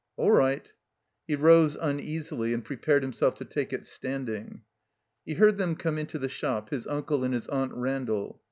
"All right." He rose uneasily and prepared himself to take it standing. He heard them come into the shop, his Uncle and his Aunt Randall.